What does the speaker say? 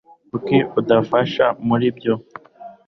Kuki udafasha muri ibyo?